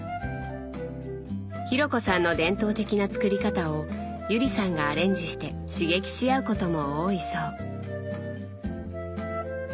紘子さんの伝統的な作り方を友里さんがアレンジして刺激し合うことも多いそう。